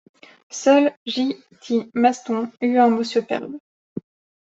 Seul, J. -T. Maston eut un mot superbe.